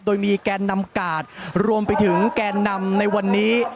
โดยมีแกนนำกาดรวมไปถึงแกนนำในวันนี้